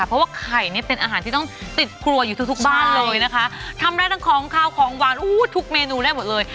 เพราะว่าไข่เนี่ยเป็นอาหารที่ต้องติดครัวอยู่ทุกทุกบ้านเลยนะคะทำได้ทั้งของขาวของหวานอู้ทุกเมนูได้หมดเลย